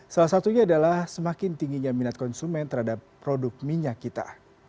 salah satunya adalah semakin tingginya minat konsumen terhadap produk minyak kita